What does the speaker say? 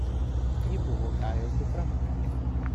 Ji buvo Gajos dukra.